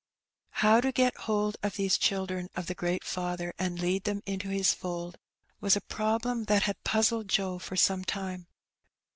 How to get hold of these children of the great Father, and lead them into His fold, was a problem that had puzzled Joe for some time.